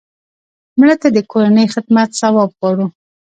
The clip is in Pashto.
مړه ته د کورنۍ خدمت ثواب غواړو